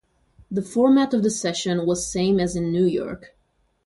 The format of the session was same as in New York.